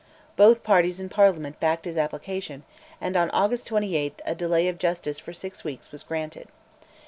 Both parties in Parliament backed his application, and on August 28 a delay of justice for six weeks was granted.